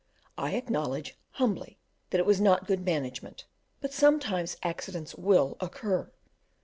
I acknowledge, humbly, that it was not good management, but sometimes accidents will occur.